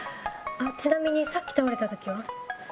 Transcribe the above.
ちなみにさっき倒れた時は？